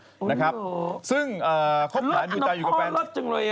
โอ้โฮลดอันน้องพ่อลดจริงเลย